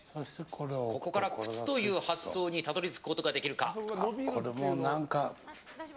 ここから靴という発想にたどり着くことができるか。